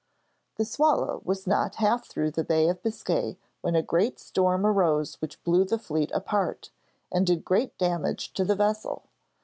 The 'Swallow' was not half through the Bay of Biscay when a great storm arose which blew the fleet apart, and did great damage to the vessel.